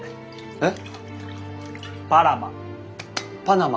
えっ？